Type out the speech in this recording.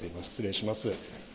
失礼します。